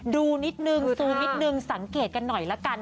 ดูนิดนึงซูมนิดนึงสังเกตกันหน่อยละกัน